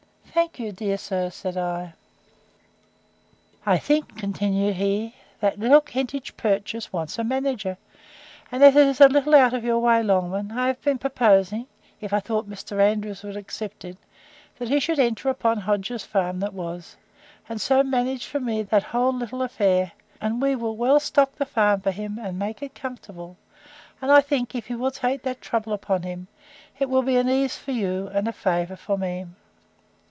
—Thank you, dear sir, said I. I think, continued he, that little Kentish purchase wants a manager; and as it is a little out of your way, Longman, I have been purposing, if I thought Mr. Andrews would accept it, that he should enter upon Hodge's farm that was, and so manage for me that whole little affair; and we will well stock the farm for him, and make it comfortable; and I think, if he will take that trouble upon him, it will be an ease to you, and a favour to me.